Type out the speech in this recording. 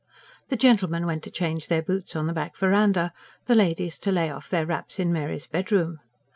The gentlemen went to change their boots on the back verandah; the ladies to lay off their wraps in Mary's bedroom.